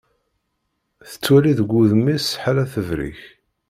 Tettwali deg wudem-is ḥala tebrek.